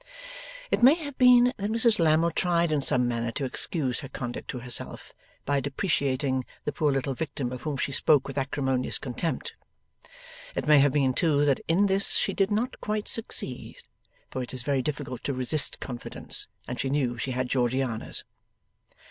It may have been that Mrs Lammle tried in some manner to excuse her conduct to herself by depreciating the poor little victim of whom she spoke with acrimonious contempt. It may have been too that in this she did not quite succeed, for it is very difficult to resist confidence, and she knew she had Georgiana's.